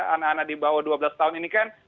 anak anak di bawah dua belas tahun ini kan